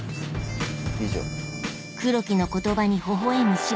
以上。